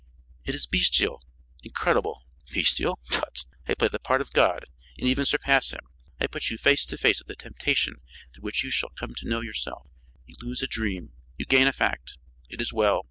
"It is bestial incredible." "Bestial? Tut! I play the part of God and even surpass Him. I put you face to face with a temptation through which you shall come to know yourself. You lose a dream; you gain a fact. It is well.